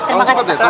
oh cepet ya